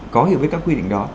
có hiểu biết các quy định đó